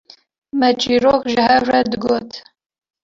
me çîrok ji hev re digot